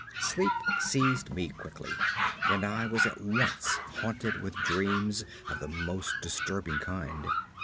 Sleep seized me quickly, and I was at once haunted with dreams of the most disturbing kind.